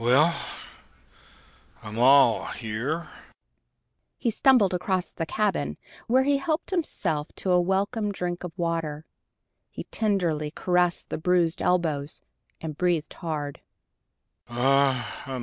"Well, I'm all here!" He stumbled across the cabin, where he helped himself to a welcome drink of water. He tenderly caressed the bruised elbows, and breathed hard.